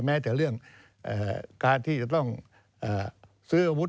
แม้แต่เรื่องการที่จะต้องซื้ออาวุธ